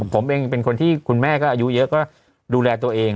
ผมเองเป็นคนที่คุณแม่ก็อายุเยอะก็ดูแลตัวเอง